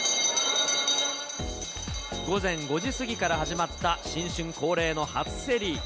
午前５時過ぎから始まった新春恒例の初競り。